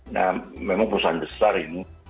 nah memang perusahaan besar ini